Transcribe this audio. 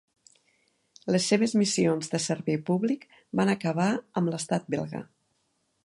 Les seves missions de servei públic van acabar amb l'Estat belga.